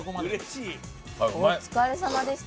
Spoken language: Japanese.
お疲れさまでした。